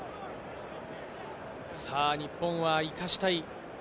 日本は生かしたい。